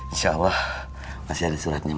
insya allah masih ada suratnya